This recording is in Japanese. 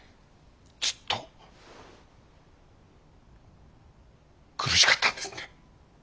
ずっと苦しかったんですね